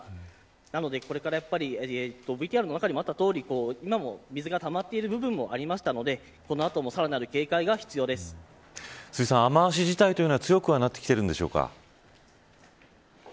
なので、これからＶＴＲの中にもあったとおり今も水がたまっている部分もあるのでこの後も辻さん、雨脚自体は強くなってきているんでしょうか。